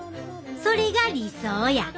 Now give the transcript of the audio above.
それが理想や！